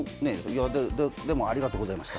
でもありがとうございました。